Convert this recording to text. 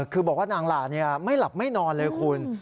ก็บอกว่านางหลานเนี้ยไม่หลับไม่นอนเลยคุณ